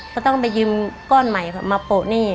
ก็ต้องไปยืมก้อนใหม่มาโปะหนี้